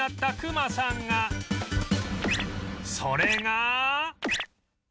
それが